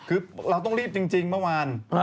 คือเราต้องรีบจริงเมื่อวาน